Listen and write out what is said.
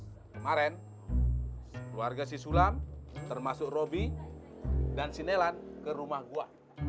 kemaren keluarga si sulam termasuk robi dan si nelan ke rumah gua